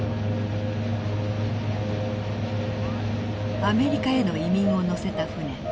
アメリカへの移民を乗せた船。